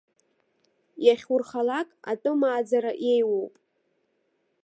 Иахьурхалак атәымааӡара еиуоуп.